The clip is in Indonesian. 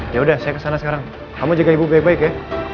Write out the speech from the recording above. ya udah saya kesana sekarang kamu jaga ibu baik baik ya